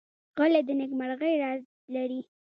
غلی، د نېکمرغۍ راز لري.